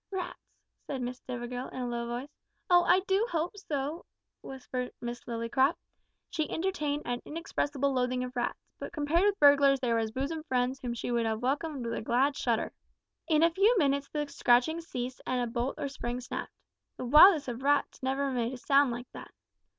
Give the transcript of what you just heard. "Rats," said Miss Stivergill in a low voice. "Oh! I do hope so," whispered Miss Lillycrop. She entertained an inexpressible loathing of rats, but compared with burglars they were as bosom friends whom she would have welcomed with a glad shudder. In a few minutes the scratching ceased and a bolt or spring snapped. The wildest of rats never made a sound like that!